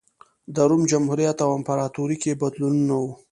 د روم جمهوریت او امپراتورۍ کې بدلونونه و